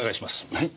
はい？